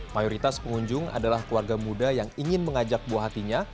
mayoritas pengunjung adalah keluarga muda yang ingin mengajak buah hatinya